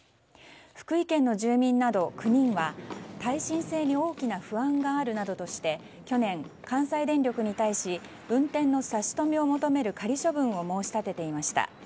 福井県の住民など９人は耐震性に大きな不安があるなどとして去年、関西電力に対し運転の差し止めを求める仮処分を申し立てていました。